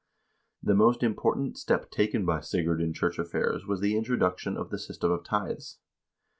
The most important step taken by Sigurd in church affairs was the introduction of the system of tithes.